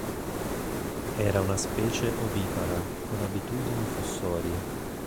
Era una specie ovipara, con abitudini fossorie.